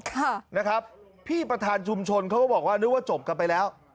ค่ะนะครับพี่ประธานชุมชนเขาก็บอกว่านึกว่าจบกันไปแล้ว